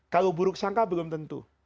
kalau buruk sangka belum tentu